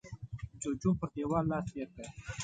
جوجو پر دېوال لاس تېر کړ.